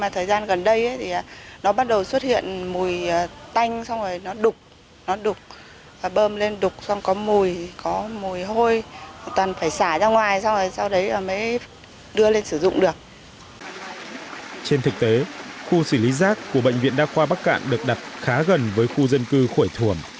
trên thực tế khu xử lý rác của bệnh viện đa khoa bắc cạn được đặt khá gần với khu dân cư khổi thuẩm